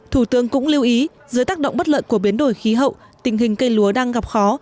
thủ tướng cũng lưu ý dưới tác động bất lợi của biến đổi khí hậu tình hình cây lúa đang gặp khó